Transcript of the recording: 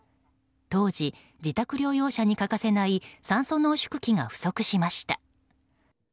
当時、自宅療養者に欠かせない酸素濃縮器が不足しました。